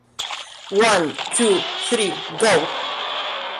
One, two, three, go!